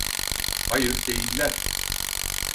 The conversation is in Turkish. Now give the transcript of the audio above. Hayır, değiller.